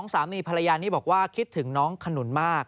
สามีภรรยานี้บอกว่าคิดถึงน้องขนุนมาก